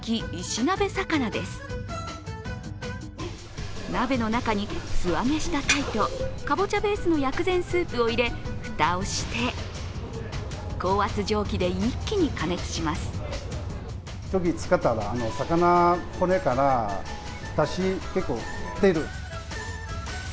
鍋の中に、素揚げした鯛とかぼちゃベースの薬膳スープを入れ、蓋をして、高圧蒸気で一気に加熱します。